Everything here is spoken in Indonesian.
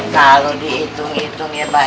kalau dihitung hitung ya pak